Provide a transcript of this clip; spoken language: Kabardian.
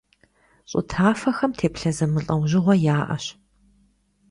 ЩӀы тафэхэм теплъэ зэмылӀэужьыгъуэ яӀэщ.